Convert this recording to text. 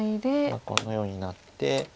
このようになって。